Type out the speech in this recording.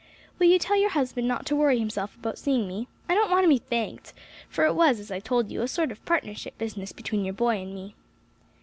Will you tell your husband not to worry himself about seeing me? I don't want to be thanked, for it was, as I told you, a sort of partnership business between your boy and me."